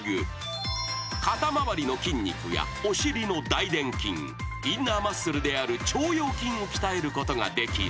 ［肩回りの筋肉やお尻の大臀筋インナーマッスルである腸腰筋を鍛えることができる］